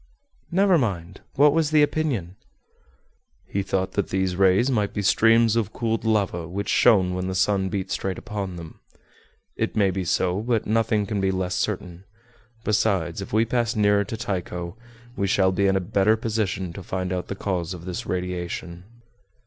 "Never mind. What was the opinion?" "He thought that these rays might be streams of cooled lava which shone when the sun beat straight upon them. It may be so; but nothing can be less certain. Besides, if we pass nearer to Tycho, we shall be in a better position to find out the cause of this radiation."